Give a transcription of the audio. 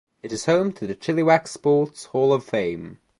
It is home to the Chilliwack Sports Hall of Fame.